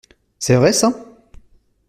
C’est vrai ça?